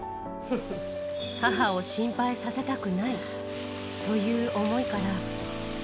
母を心配させたくないという思いから。